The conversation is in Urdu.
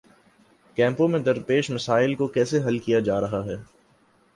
کیمپوں میں درپیش مسائل کو کیسے حل کیا جا رہا ہے؟